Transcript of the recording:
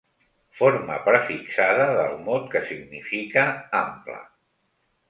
Forma prefixada del mot que significa ample.